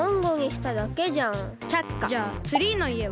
じゃあツリーの家は？